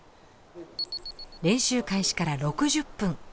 練習開始から６０分。